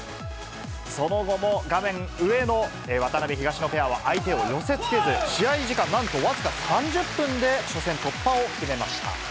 その後も画面上の渡辺・東野ペアは相手を寄せつけず、試合時間、なんと僅か３０分で初戦突破を決めました。